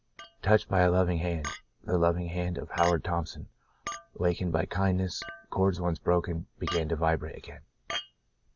Touched by a loving hand — the loving hand of Howard Thompson — wakened by kindness, cords once broken began to vibrate again.